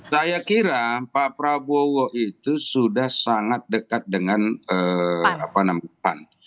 saya kira pak prabowo itu sudah sangat dekat dengan pan